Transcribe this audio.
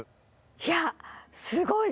いやすごい。